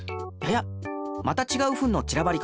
やっまたちがうフンのちらばり方。